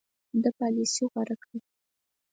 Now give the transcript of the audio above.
ده پالیسي غوره کړه.